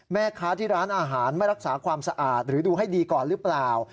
แม่ค้าที่ร้านอาหารไม่รักษาความสะอาดหรือดูให้ดีก่อนหรือเปล่า